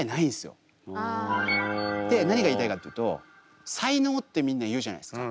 で何が言いたいかっていうと才能ってみんな言うじゃないですか。